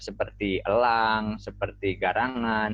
seperti elang seperti garangan